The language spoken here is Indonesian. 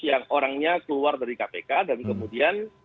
yang orangnya keluar dari kpk dan kemudian